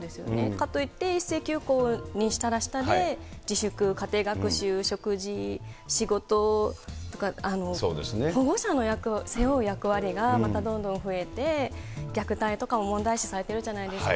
かといって、一斉休校にしたらしたで、自粛、家庭学習、食事、仕事とか、保護者の背負う役割がまたどんどん増えて、虐待とかも問題視されてるじゃないですか。